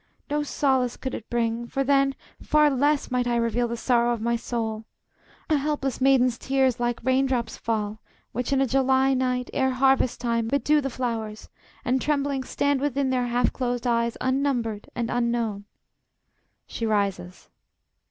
No solace could it bring; for then far less Might I reveal the sorrow of my soul! A helpless maiden's tears like raindrops fall, Which in a July night, ere harvest time, Bedew the flowers, and, trembling, stand within Their half closed eyes unnumbered and unknown. [She rises.